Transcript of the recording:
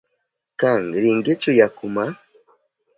¿Kan rinkichu yakuma?